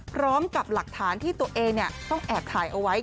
พร้อมกับหลักฐานที่ตัวเองต้องแอบถ่ายเอาไว้